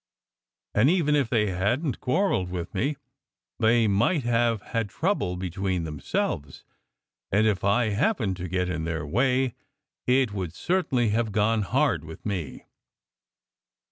And even if they hadn't quarrelled with me, they might have had trouble between themselves. And if I happened to get in their way it would certainly have gone hard with me."